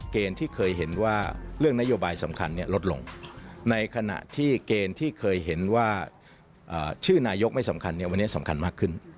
ที่เคยเห็นว่าเรื่องนโยบายสำคัญลดลงในขณะที่เกณฑ์ที่เคยเห็นว่าชื่อนายกไม่สำคัญเนี่ยวันนี้สำคัญมากขึ้น